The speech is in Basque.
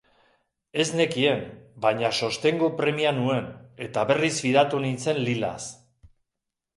Ez nekien, baina sostengu premia nuen, eta berriz fidatu nintzen Lilaz.